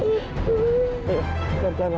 ayolah pelan pelan lara